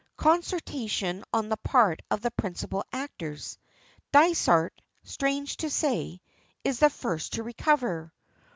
Consternation on the part of the principal actors. Dysart, strange to say, is the first to recover.